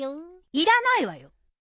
いらないわよ！